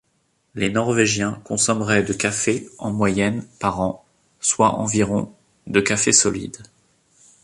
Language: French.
Les Norvégiens consommeraient de café en moyenne par an, soit environ de café solide.